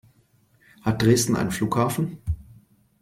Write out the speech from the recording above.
Hat Dresden einen Flughafen?